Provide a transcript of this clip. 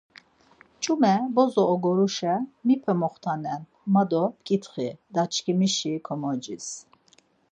Ç̌ume bozo ogoruşe mipe moxtanen ma do p̌ǩitxi daçkimişi komocis.